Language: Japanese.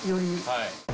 はい。